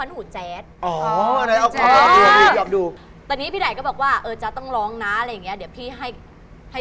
ไงเขาไม่ได้ให้ชุดร้อยชุดพี่